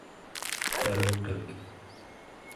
tanqik